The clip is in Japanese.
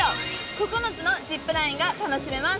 ９つのジップラインが楽しめます。